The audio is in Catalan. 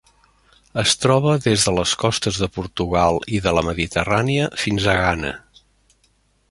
Es troba des de les costes de Portugal i de la Mediterrània fins a Ghana.